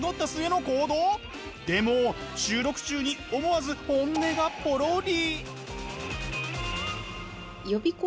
でも収録中に思わず本音がポロリ。